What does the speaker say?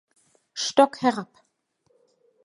Stock herab.